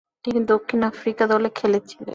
তিনি দক্ষিণ আফ্রিকা দলে খেলছিলেন।